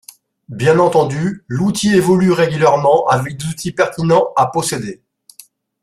Bien entendu, l’outil évolue régulièrement avec des outils pertinents à posséder.